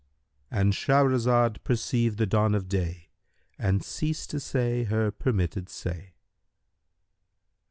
"—And Shahrazad perceived the dawn of day and ceased to say her permitted say.